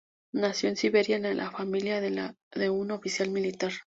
Nació en Siberia en la familia de un oficial militar.